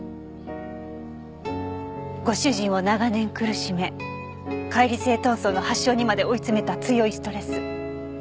ご主人を長年苦しめ解離性遁走の発症にまで追い詰めた強いストレス。